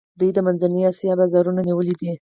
دوی د منځنۍ آسیا بازارونه نیولي دي.